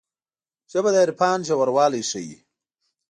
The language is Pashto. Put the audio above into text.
ژبه د عرفان ژوروالی ښيي